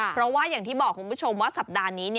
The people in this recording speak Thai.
เพราะว่าอย่างที่บอกคุณผู้ชมว่าสัปดาห์นี้